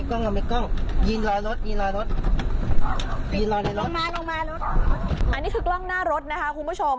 อันนี้คือกล้องหน้ารถนะคะคุณผู้ชม